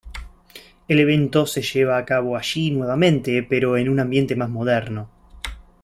El evento se lleva a cabo allí nuevamente, pero en un ambiente más moderno.